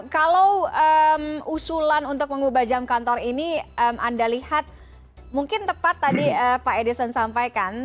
kalau usulan untuk mengubah jam kantor ini anda lihat mungkin tepat tadi pak edison sampaikan